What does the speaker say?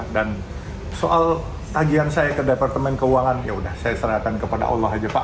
dan soal tagian saya ke departemen keuangan yaudah saya serahkan kepada allah aja pak